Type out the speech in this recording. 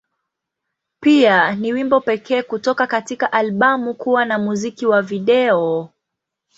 Pia, ni wimbo pekee kutoka katika albamu kuwa na muziki wa video.